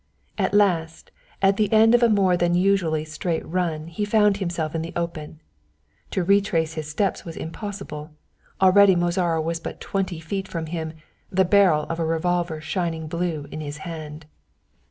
At last at the end of a more than usually straight run he found himself in the open. To retrace his steps was impossible, already Mozara was but twenty feet from him, the barrel of a revolver shining blue in his hand.